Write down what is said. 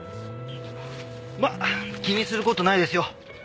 まあ気にする事ないですよ。